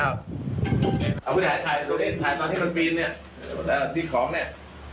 แล้วที่ของเนี่ย